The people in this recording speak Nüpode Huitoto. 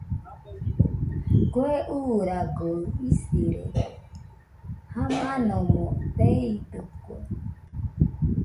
Kue uuragoɨ isirede, jamanomo teidɨkue.